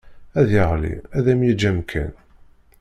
Ad yeɣli, ad m-yeǧǧ amkan.